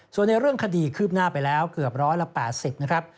ส่วนในเรื่องคดีคืบหน้าไปแล้วเกือบร้อยละ๘๐นะครับ